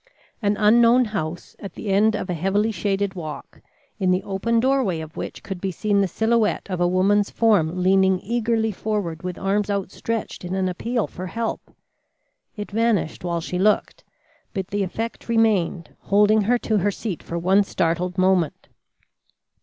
An unknown house at the end of a heavily shaded walk, in the open doorway of which could be seen the silhouette of a woman's form leaning eagerly forward with arms outstretched in an appeal for help! It vanished while she looked, but the effect remained, holding her to her seat for one startled moment.